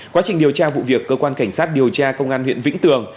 quá trình điều tra vụ việc cơ quan cảnh sát điều tra công an huyện vĩnh tường